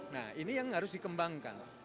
nah ini yang harus dikembangkan